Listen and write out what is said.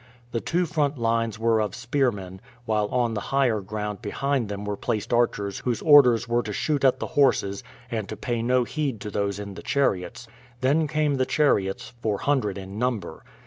The two front lines were of spearmen, while on the higher ground behind them were placed archers whose orders were to shoot at the horses, and to pay no heed to those in the chariots; then came the chariots, four hundred in number.